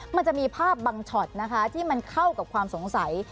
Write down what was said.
มันจะมีภาพบางช็อตนะคะที่มันเข้ากับความสงสัย